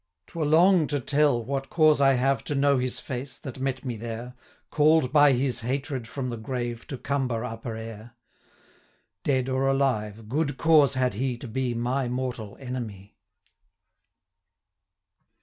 'Twere long to tell what cause I have To know his face, that met me there, 450 Call'd by his hatred from the grave, To cumber upper air: Dead, or alive, good cause had he To be my mortal enemy.'